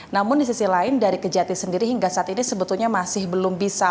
namun di sisi lain dari kejati sendiri hingga saat ini sebetulnya masih belum bisa